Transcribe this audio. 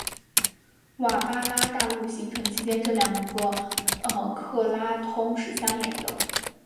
瓦巴拉大陆形成期间这两个克拉通是相连的。